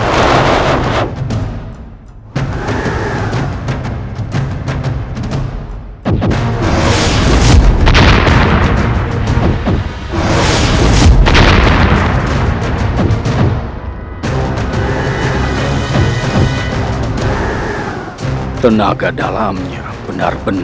dengan tenaga dalamnya benar benar keturunan